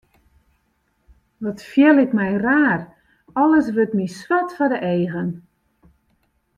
Wat fiel ik my raar, alles wurdt my swart foar de eagen.